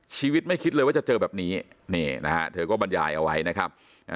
ชีวิตไม่คิดเลยว่าจะเจอแบบนี้นี่นะฮะเธอก็บรรยายเอาไว้นะครับ